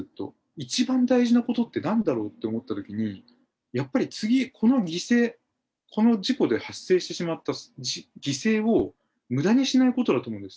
一番大事なことってなんだろうって思ったときに、やっぱり次、この犠牲、この事故で発生してしまった犠牲を、むだにしないことだと思うんです。